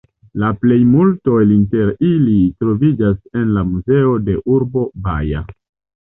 La plejmulto el inter ili troviĝas en la muzeo de urbo Baja.